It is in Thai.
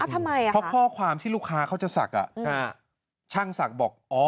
ทำไมอ่ะเพราะข้อความที่ลูกค้าเขาจะศักดิ์ช่างศักดิ์บอกอ๋อ